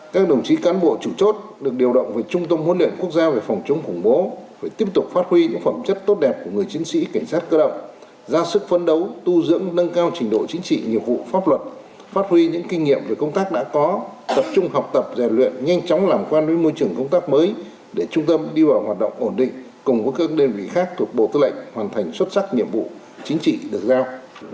các đồng chí cán bộ chủ chốt được điều động về trung tâm huấn luyện quốc gia về phòng chống khủng bố phải tiếp tục phát huy những phẩm chất tốt đẹp của người chính sĩ cảnh sát cơ động ra sức phân đấu tu dưỡng nâng cao trình độ chính trị nhiệm vụ pháp luật phát huy những kinh nghiệm về công tác đã có tập trung học tập rèn luyện nhanh chóng làm quan với môi trường công tác mới để trung tâm đi vào hoạt động ổn định cùng với các đơn vị khác thuộc bộ tư lệnh hoàn thành xuất sắc nhiệm vụ chính trị được giao